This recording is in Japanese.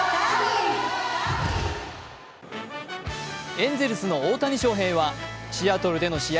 エンゼルスの大谷翔平はシアトルでの試合